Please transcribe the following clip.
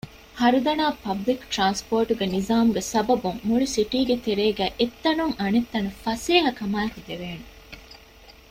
ހަރުދަނާ ޕަބްލިކު ޓްރާންސްޕޯޓުގެ ނިޒާމުގެ ސަބަބުން މުޅި ސިޓީގެ ތެރޭގައި އެއްތަނުން އަނެއްތަނަށް ފަސޭހަކަމާއެކު ދެވޭނެ